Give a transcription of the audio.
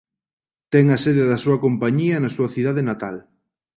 Ten a sede da súa compañía na súa cidade natal.